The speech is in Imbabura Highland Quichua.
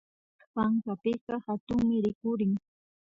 Pankapika hatunmi rikurin